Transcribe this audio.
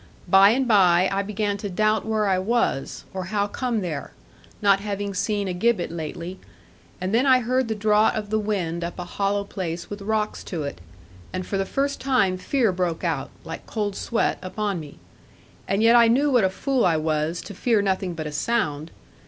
By and by, I began to doubt where I was, or how come there, not having seen a gibbet lately; and then I heard the draught of the wind up a hollow place with rocks to it; and for the first time fear broke out (like cold sweat) upon me. And yet I knew what a fool I was, to fear nothing but a sound!